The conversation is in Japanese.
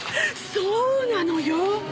そうなのよ！